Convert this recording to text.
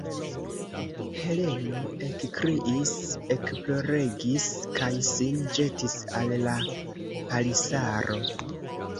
Heleno ekkriis, ekploregis kaj sin ĵetis al la palisaro.